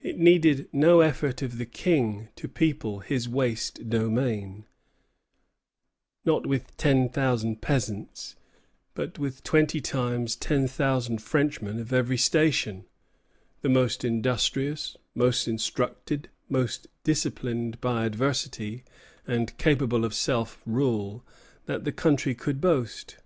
It needed no effort of the King to people his waste domain, not with ten thousand peasants, but with twenty times ten thousand Frenchmen of every station, the most industrious, most instructed, most disciplined by adversity and capable of self rule, that the country could boast.